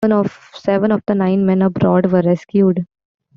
Seven of the nine men aboard were rescued.